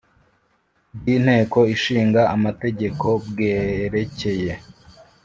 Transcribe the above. Bw’inteko Ishinga Amategeko bwerekeye